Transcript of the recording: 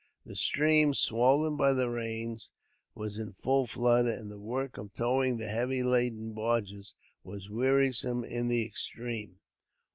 The stream, swollen by the rains, was in full flood, and the work of towing the heavy laden barges was wearisome in the extreme.